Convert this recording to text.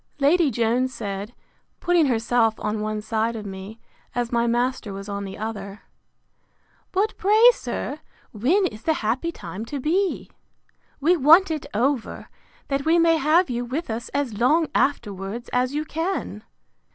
Lady Jones said, putting herself on one side of me, as my master was on the other, But pray, sir, when is the happy time to be? We want it over, that we may have you with us as long afterwards as you can.